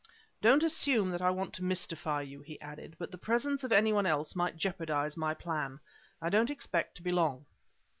"Don't assume that I want to mystify you," he added, "but the presence of any one else might jeopardize my plan. I don't expect to be long."